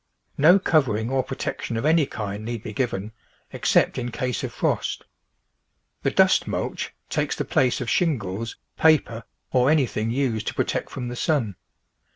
No covering or protection of any kind need be given, except in case of frost. The dust mulch takes the place of shingles, paper, or anything used to protect from the sun.